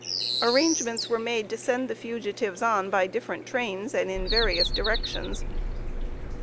Arrangements were made to send the fugitives on by different trains, and in various directions.